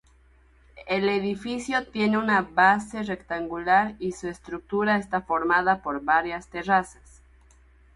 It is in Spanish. El edificio tiene una base rectangular y su estructura está formada por varias terrazas.